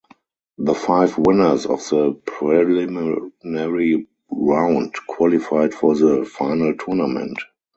The five winners of the preliminary round qualified for the final tournament.